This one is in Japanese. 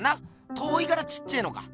遠いからちっちぇのか。